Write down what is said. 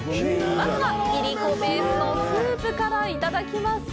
まずは、いりこベースのスープからいただきます。